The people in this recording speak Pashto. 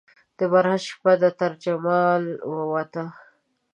د برات شپه ده ترجمال ووته